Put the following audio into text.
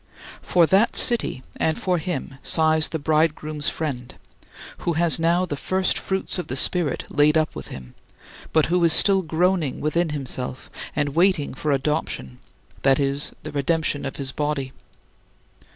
For that city and for him sighs the Bridegroom's friend, who has now the first fruits of the Spirit laid up with him, but who is still groaning within himself and waiting for adoption, that is, the redemption of his body.